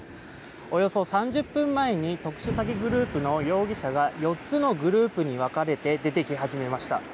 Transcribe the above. およそ３０分前に特殊詐欺グループの容疑者が４つのグループに分かれて出てき始めました。